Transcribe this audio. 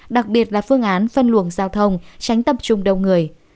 đặc biệt là phương án phân luồng giao thông tránh tập trung đông người